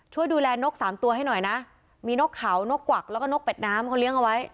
ช่วยดูแลนกสามตัวให้หน่อยนะมีนกเขานกกวักแล้วก็นกเป็ดน้ำเขาเลี้ยงเอาไว้